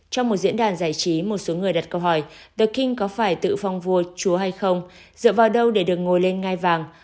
trong một diễn đàn giải trí một số người đặt câu hỏi theking có phải tự phong vua chúa hay không dựa vào đâu để được ngồi lên ngai vàng